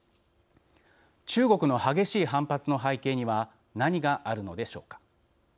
中国の激しい反発の背景には何があるのでしょうか。